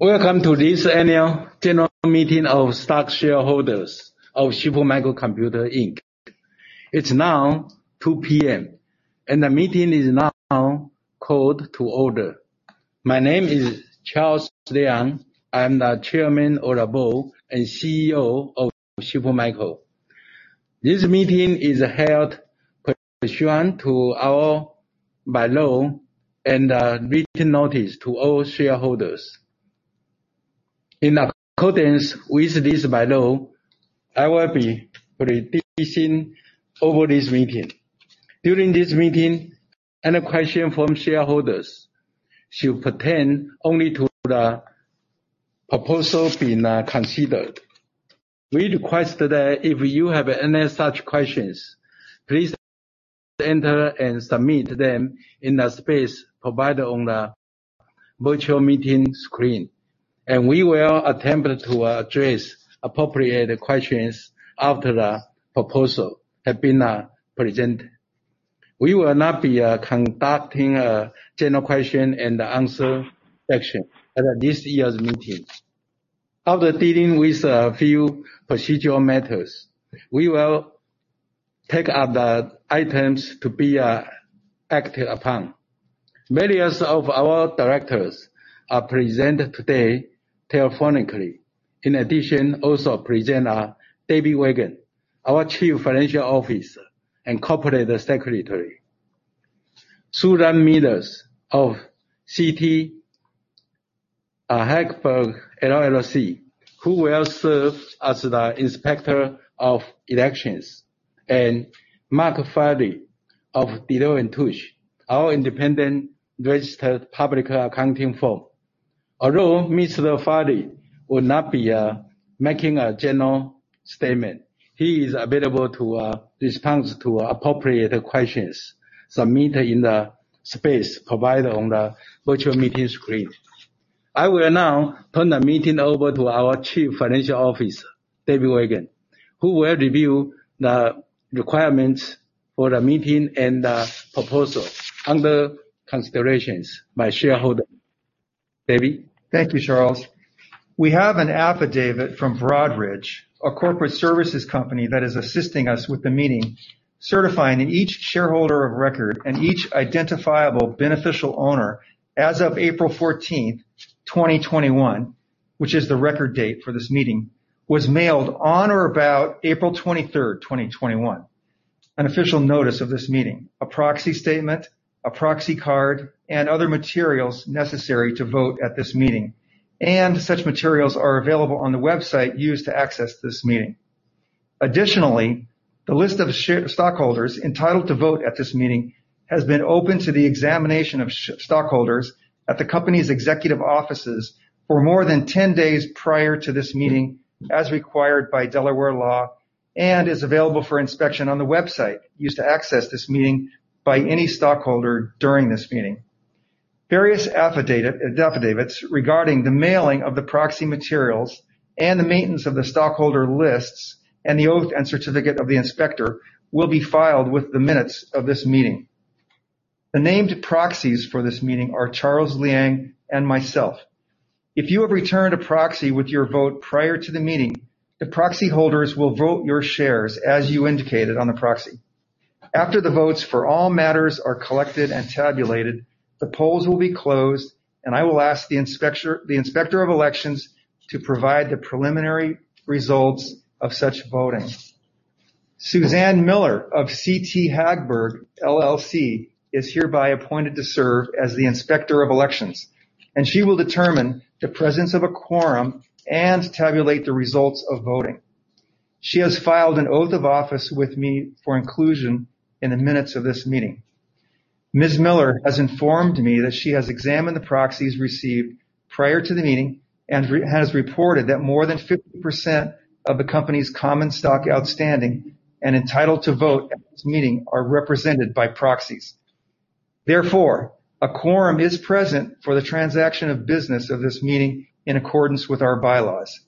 Welcome to this annual general meeting of stock shareholders of Super Micro Computer, Inc, it's now 2:00 P.M. and the meeting is now called to order. My name is Charles Liang. I'm the Chairman of the Board and CEO of Super Micro. This meeting is held pursuant to our bylaw and a written notice to all shareholders. In accordance with this bylaw, I will be presiding over this meeting. During this meeting, any question from shareholders should pertain only to the proposal being considered. We request that if you have any such questions, please enter and submit them in the space provided on the virtual meeting screen, and we will attempt to address appropriate questions after the proposal has been presented. We will not be conducting a general Q&A session at this year's meeting. After dealing with a few procedural matters, we will take up the items to be acted upon. Various of our directors are present today telephonically. In addition, also present are David Weigand, our Chief Financial Officer and Corporate Secretary, Susan Miller of CT Hagberg LLC, who will serve as the Inspector of Elections, and Mark Farley of Deloitte & Touche, our independent registered public accounting firm. Although Mr. Farle will not be making a general statement, he is available to respond to appropriate questions submitted in the space provided on the virtual meeting screen. I will now turn the meeting over to our Chief Financial Officer, David Weigand, who will review the requirements for the meeting and the proposal under considerations by shareholders. David? Thank you, Charles. We have an affidavit from Broadridge, a corporate services company that is assisting us with the meeting, certifying that each shareholder of record and each identifiable beneficial owner as of April 14th, 2021, which is the record date for this meeting, was mailed on or about April 23rd, 2021. An official notice of this meeting, a proxy statement, a proxy card, and other materials necessary to vote at this meeting, and such materials are available on the website used to access this meeting. Additionally, the list of stockholders entitled to vote at this meeting has been open to the examination of stockholders at the company's executive offices for more than 10 days prior to this meeting, as required by Delaware law, and is available for inspection on the website used to access this meeting by any stockholder during this meeting. Various affidavits regarding the mailing of the proxy materials and the maintenance of the stockholder lists and the oath and certificate of the inspector will be filed with the minutes of this meeting. The named proxies for this meeting are Charles Liang and myself. If you have returned a proxy with your vote prior to the meeting, the proxy holders will vote your shares as you indicated on the proxy. After the votes for all matters are collected and tabulated, the polls will be closed and I will ask the Inspector of Elections to provide the preliminary results of such voting. Susan Miller of CT Hagberg LLC is hereby appointed to serve as the Inspector of Elections, and she will determine the presence of a quorum and tabulate the results of voting. She has filed an oath of office with me for inclusion in the minutes of this meeting. Ms. Miller has informed me that she has examined the proxies received prior to the meeting and has reported that more than 50% of the company's common stock outstanding and entitled to vote at this meeting are represented by proxies. A quorum is present for the transaction of business of this meeting in accordance with our bylaws.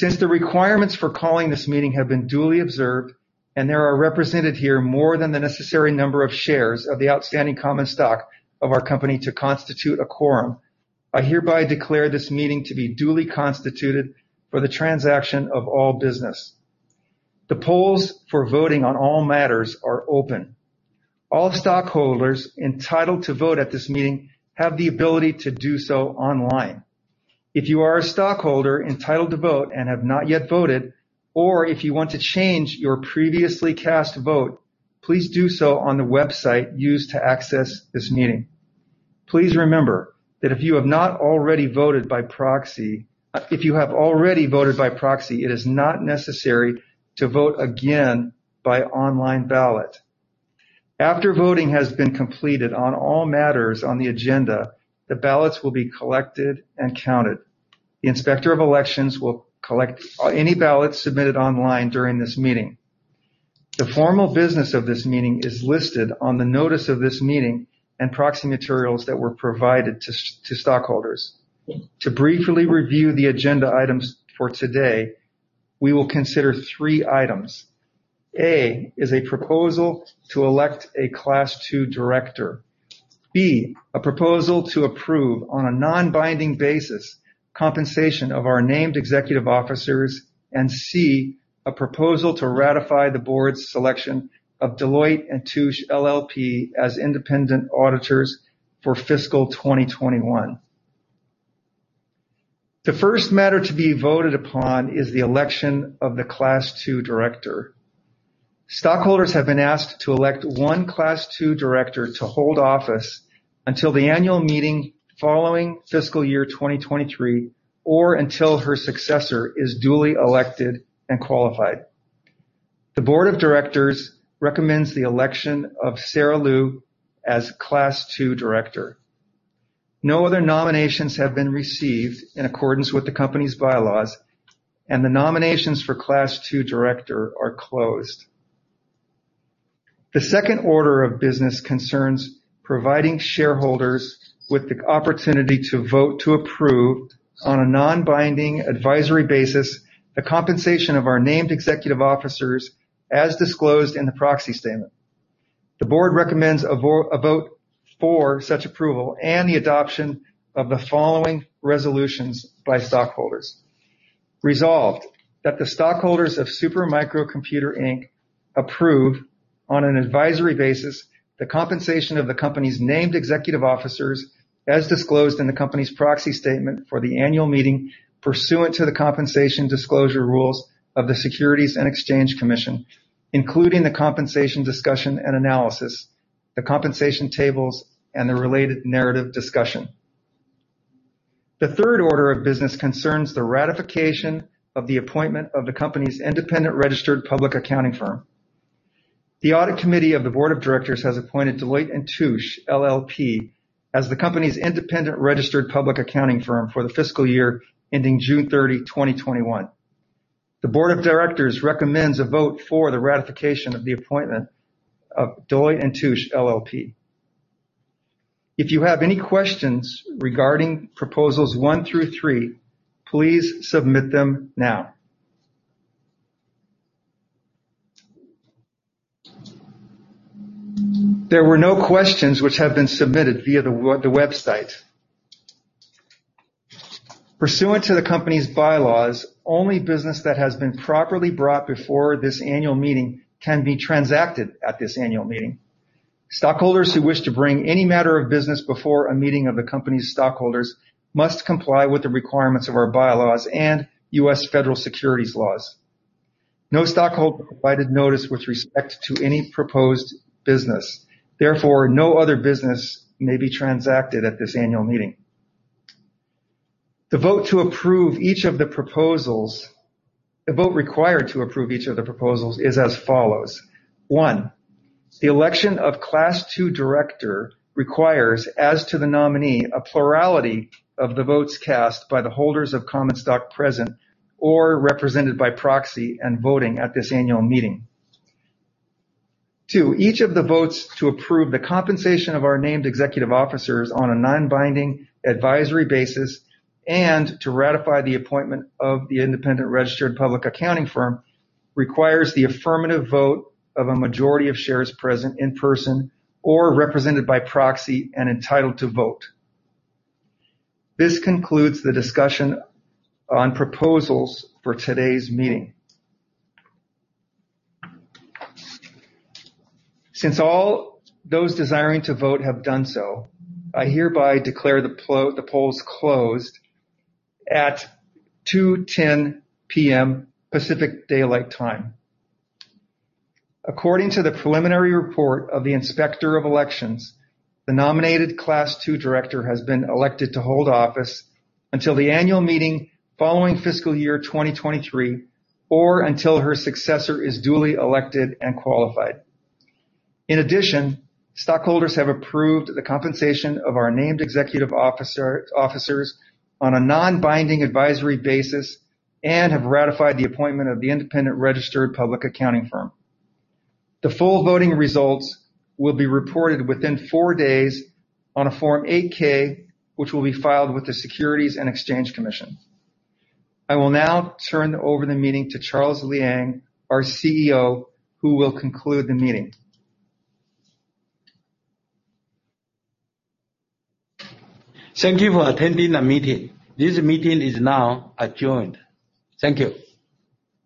The requirements for calling this meeting have been duly observed and there are represented here more than the necessary number of shares of the outstanding common stock of our company to constitute a quorum, I hereby declare this meeting to be duly constituted for the transaction of all business. The polls for voting on all matters are open. All stockholders entitled to vote at this meeting have the ability to do so online. If you are a stockholder entitled to vote and have not yet voted, or if you want to change your previously cast vote, please do so on the website used to access this meeting. Please remember that if you have already voted by proxy, it is not necessary to vote again by online ballot. After voting has been completed on all matters on the agenda, the ballots will be collected and counted. The Inspector of Elections will collect any ballots submitted online during this meeting. The formal business of this meeting is listed on the notice of this meeting and proxy materials that were provided to stockholders. To briefly review the agenda items for today, we will consider three items. A is a proposal to elect a Class II director. B, a proposal to approve, on a non-binding basis, compensation of our named executive officers. C, a proposal to ratify the board's selection of Deloitte & Touche LLP as independent auditors for fiscal 2021. The first matter to be voted upon is the election of the Class II director. Stockholders have been asked to elect one Class II director to hold office until the annual meeting following fiscal year 2023, or until her successor is duly elected and qualified. The board of directors recommends the election of Sara Liu as Class II director. No other nominations have been received in accordance with the company's bylaws, and the nominations for Class II director are closed. The second order of business concerns providing shareholders with the opportunity to vote to approve, on a non-binding advisory basis, the compensation of our named executive officers as disclosed in the proxy statement. The board recommends a vote for such approval and the adoption of the following resolutions by stockholders. Resolved, that the stockholders of Super Micro Computer, Inc approve, on an advisory basis, the compensation of the company's named executive officers as disclosed in the company's proxy statement for the annual meeting pursuant to the compensation disclosure rules of the Securities and Exchange Commission, including the compensation discussion and analysis, the compensation tables, and the related narrative discussion. The third order of business concerns the ratification of the appointment of the company's independent registered public accounting firm. The audit committee of the board of directors has appointed Deloitte & Touche LLP as the company's independent registered public accounting firm for the fiscal year ending June 30, 2021. The board of directors recommends a vote for the ratification of the appointment of Deloitte & Touche LLP. If you have any questions regarding Proposals 1-3, please submit them now. There were no questions which have been submitted via the website. Pursuant to the company's bylaws, only business that has been properly brought before this annual meeting can be transacted at this annual meeting. Stockholders who wish to bring any matter of business before a meeting of the company's stockholders must comply with the requirements of our bylaws and U.S. federal securities laws. No stockholder provided notice with respect to any proposed business, therefore, no other business may be transacted at this annual meeting. The vote required to approve each of the proposals is as follows. One, the election of Class II director requires, as to the nominee, a plurality of the votes cast by the holders of common stock present or represented by proxy and voting at this annual meeting. Two, each of the votes to approve the compensation of our named executive officers on a non-binding advisory basis and to ratify the appointment of the independent registered public accounting firm requires the affirmative vote of a majority of shares present in person or represented by proxy and entitled to vote. This concludes the discussion on proposals for today's meeting. Since all those desiring to vote have done so, I hereby declare the polls closed at 2:10 P.M. Pacific Daylight Time. According to the preliminary report of the Inspector of Elections, the nominated Class II director has been elected to hold office until the annual meeting following fiscal year 2023, or until her successor is duly elected and qualified. In addition, stockholders have approved the compensation of our named executive officers on a non-binding advisory basis and have ratified the appointment of the independent registered public accounting firm. The full voting results will be reported within four days on a Form 8-K, which will be filed with the Securities and Exchange Commission. I will now turn over the meeting to Charles Liang, our CEO, who will conclude the meeting. Thank you for attending the meeting. This meeting is now adjourned. Thank you.